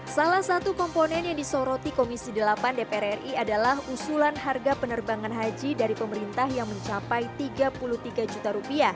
salah satu komponen yang disoroti komisi delapan dpr ri adalah usulan harga penerbangan haji dari pemerintah yang mencapai rp tiga puluh tiga juta